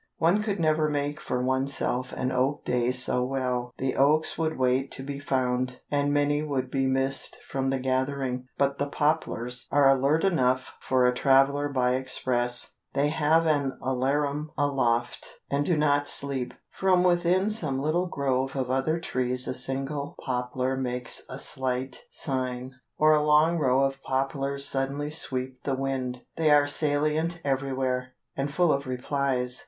One could never make for oneself an oak day so well. The oaks would wait to be found, and many would be missed from the gathering. But the poplars are alert enough for a traveller by express; they have an alarum aloft, and do not sleep. From within some little grove of other trees a single poplar makes a slight sign; or a long row of poplars suddenly sweep the wind. They are salient everywhere, and full of replies.